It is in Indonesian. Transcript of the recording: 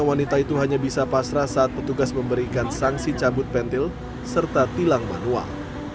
wanita itu hanya bisa pasrah saat petugas memberikan sanksi cabut pentil serta tilang manual